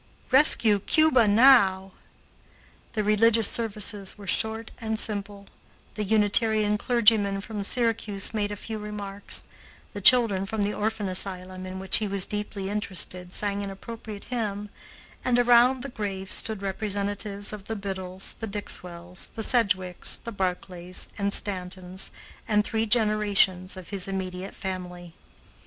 "Rescue Cuba now!" The religious services were short and simple; the Unitarian clergyman from Syracuse made a few remarks, the children from the orphan asylum, in which he was deeply interested, sang an appropriate hymn, and around the grave stood representatives of the Biddles, the Dixwells, the Sedgwicks, the Barclays, and Stantons, and three generations of his immediate family.